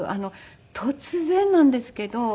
突然なんですけど。